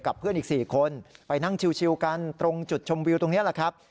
เพื่อนอีก๔คนไปนั่งชิวกันตรงจุดชมวิวตรงนี้แหละครับ